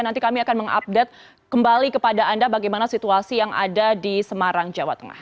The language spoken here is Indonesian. nanti kami akan mengupdate kembali kepada anda bagaimana situasi yang ada di semarang jawa tengah